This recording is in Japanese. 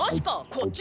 こっち！